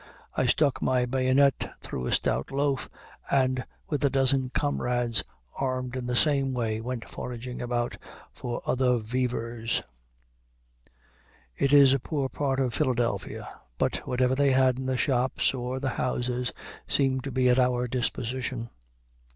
I stuck my bayonet through a stout loaf, and, with a dozen comrades armed in the same way, went foraging about for other vivers. It is a poor part of Philadelphia; but whatever they had in the shops or the houses seemed to be at our disposition.